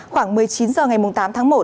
khoảng một mươi chín h ngày tám tháng một